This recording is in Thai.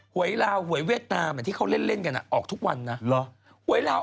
หวยลาวหวยเวชตาเหมือนที่เขาเล่นอยากเล่นกันอ่ะออกทุกวันน่ะ